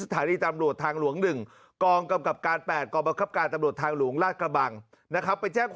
ให้ข้อมูลผ่านล่ามบอกว่าวันเกิดเหตุ